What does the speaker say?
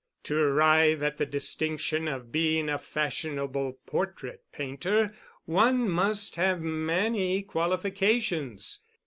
To arrive at the distinction of being a fashionable portrait painter one must have many qualifications.